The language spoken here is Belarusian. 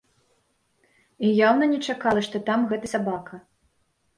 І яўна не чакала, што там гэты сабака.